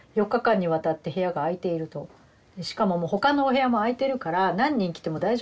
しかももう他のお部屋も空いてるから何人来ても大丈夫って言われたので。